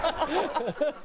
ハハハハ！